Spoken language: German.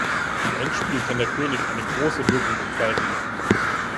Im Endspiel kann der König eine große Wirkung entfalten.